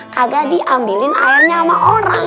kagak diambilin airnya sama orang